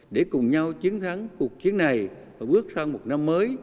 để cùng nhau chiến thắng cuộc chiến này và bước sang một năm mới